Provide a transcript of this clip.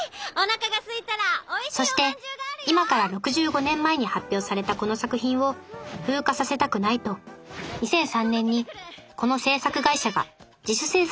そして今から６５年前に発表されたこの作品を風化させたくないと２００３年にこの制作会社が自主制作で「フイチンさん」をアニメ化。